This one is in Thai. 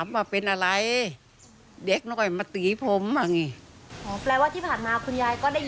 ของคุณลุงเนี่ยร้องบ่อย